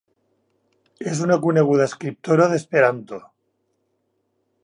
És una coneguda escriptora d'esperanto.